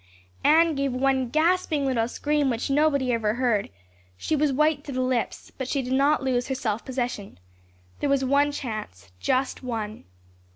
Anne gave one gasping little scream which nobody ever heard; she was white to the lips, but she did not lose her self possession. There was one chance just one.